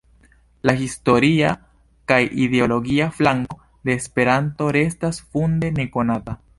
La historia kaj ideologia flanko de Esperanto restas funde nekonata.